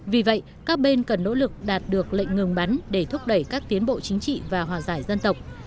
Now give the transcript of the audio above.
vì vậy các bên cần nỗ lực đạt được lệnh ngừng bắn để thúc đẩy các tiến bộ chính trị và hòa giải dân tộc